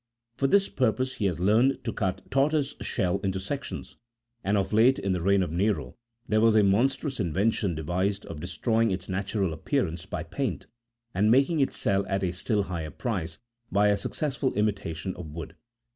Tor this purpose lie has learned to cut tortoise shell into sections ; and of late, in the reign of Nero, there was a monstrous invention devised of destroying its natural appearance by paint, and making it sell at a still higher price by a successful imitation of wood.